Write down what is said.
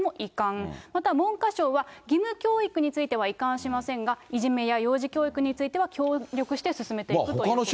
また文科省は義務教育については移管しませんが、いじめや幼児教育については、協力して進めていくということです。